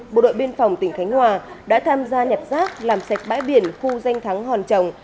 bộ đội biên phòng tỉnh khánh hòa đã tham gia nhặt rác làm sạch bãi biển khu danh thắng hòn trồng